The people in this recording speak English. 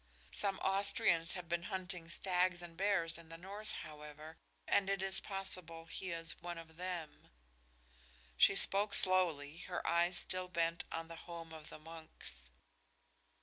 Some Austrians had been hunting stags and bears in the north, however, and it is possible he is one of them." She spoke slowly, her eyes still bent on the home of the monks.